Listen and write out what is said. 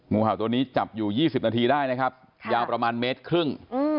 งูเห่าตัวนี้จับอยู่๒๐นาทีได้นะครับยาวประมาณเมตรครึ่ง